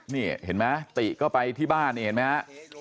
นี่เห็นมั้ยติก็ไปที่บ้านเห็นมั้ยฮะ